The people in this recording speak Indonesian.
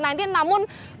namun pihaknya tetap memaksa